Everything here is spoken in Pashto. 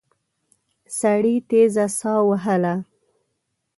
سړي تېزه ساه وهله.